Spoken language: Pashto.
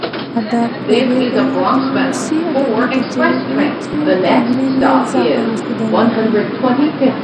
ادب تاريخ د ملت ولسي ادبيات څېړي چې تحليل يې ذوق او استعداد راښيي.